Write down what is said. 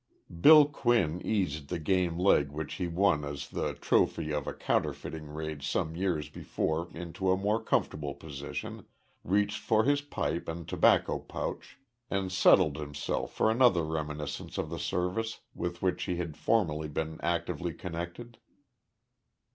Bill Quinn eased the game leg which he won as the trophy of a counterfeiting raid some years before into a more comfortable position, reached for his pipe and tobacco pouch, and settled himself for another reminiscence of the Service with which he had formerly been actively connected.